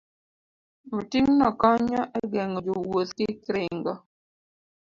Oting'no konyo e geng'o jowuoth kik ringo